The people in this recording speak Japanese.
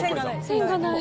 線がない。